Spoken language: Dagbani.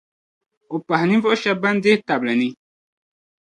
O pahi ninvuɣu shɛba ban dihitabli ni.